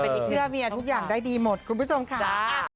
ที่เชื่อเมียทุกอย่างได้ดีหมดคุณผู้ชมค่ะ